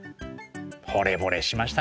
ほれぼれしましたね。